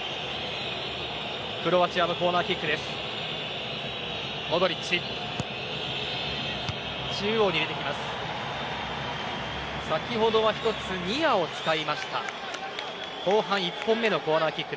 クロアチアのコーナーキック。